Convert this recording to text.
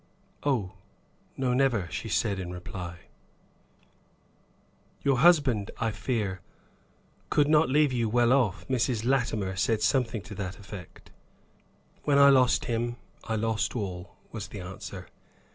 "Oh, no, never," she said, in reply. "Your husband, I fear, could not leave you well off. Mrs. Latimer said something to that effect." "When I lost him, I lost all," was the answer.